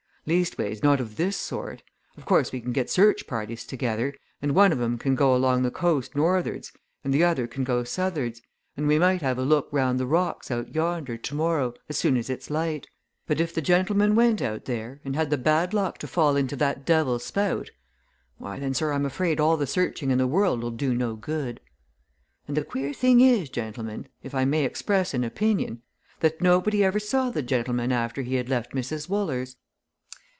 "Leastways, not of this sort. Of course, we can get search parties together, and one of 'em can go along the coast north'ards, and the other can go south'ards, and we might have a look round the rocks out yonder, tomorrow, as soon as it's light. But if the gentleman went out there, and had the bad luck to fall into that Devil's Spout, why, then, sir, I'm afraid all the searching in the world'll do no good. And the queer thing is, gentlemen, if I may express an opinion, that nobody ever saw the gentleman after he had left Mrs. Wooler's!